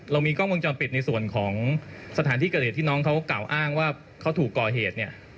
เรามีกล้องวงจรปิดในส่วนของสถานที่เกิดเหตุที่น้องเขากล่าวอ้างว่าเขาถูกก่อเหตุเนี่ย